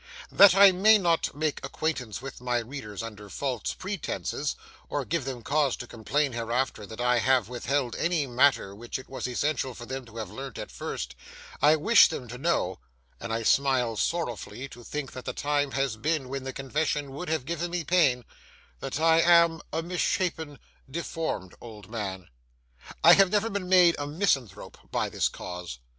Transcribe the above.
That I may not make acquaintance with my readers under false pretences, or give them cause to complain hereafter that I have withheld any matter which it was essential for them to have learnt at first, I wish them to know—and I smile sorrowfully to think that the time has been when the confession would have given me pain—that I am a misshapen, deformed old man. I have never been made a misanthrope by this cause.